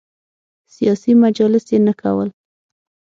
سیاسي مجالس یې نه کول.